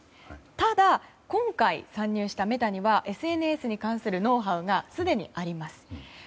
ただ、今回参入したメタにはＳＮＳに関するノウハウがすでにあります。